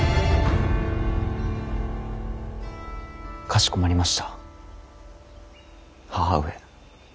かしこまりました母上。